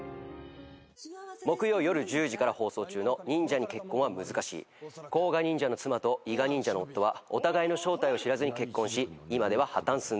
木曜夜１０時から放送中の『忍者に結婚は難しい』甲賀忍者の妻と伊賀忍者の夫はお互いの正体を知らずに結婚し今では破綻寸前。